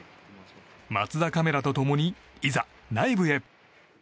マツザカメラと共にいざ、内部へ。